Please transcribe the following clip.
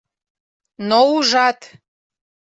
— Но ужат!